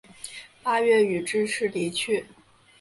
八月予致仕离去。